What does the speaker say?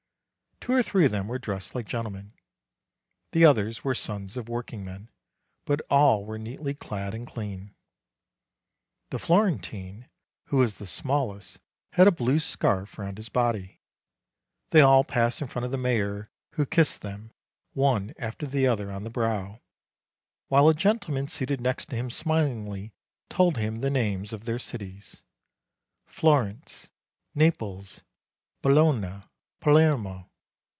Two or three of them were dressed like gentlemen; the others were sons of workingmen, but all were neatly clad and clean. The Florentine, who was the smallest, had a blue scarf round his body. They all passed in front of the mayor, who kissed them, one after the other, on the brow, while a gentle man seated next to him smilingly told him the names of their cities : "Florence, Naples, Bologna, Palermo."